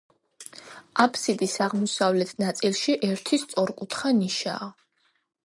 აბსიდის აღმოსავლეთ ნაწილში ერთი სწორკუთხა ნიშაა.